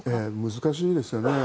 難しいですよね。